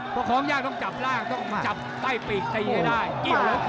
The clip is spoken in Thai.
เพราะค้องยากต้องจับร่างต้องจับใต้ปีกใส่ได้